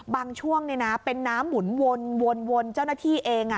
บางช่วงเป็นน้ำหมุนวนเจ้าหน้าที่เอง